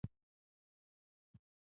ستاسې ژوند په رښتيا هم